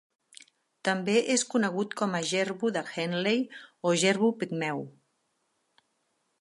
També és conegut com a jerbu de Henley o jerbu pigmeu.